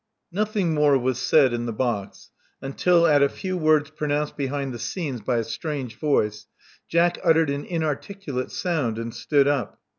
Nothing more was said in the box until, at a few words pronounced behind the scenes by a strange voice, Jack uttered an inarticulate sound, and stood up.